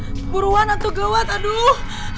cepetan atau gawat aduh